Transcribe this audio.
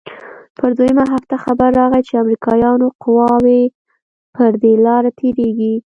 پر دويمه هفته خبر راغى چې امريکايانو قواوې پر دې لاره تېريږي.